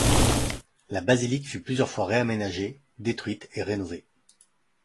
La basilique fut plusieurs fois réaménagée, détruite et rénovée.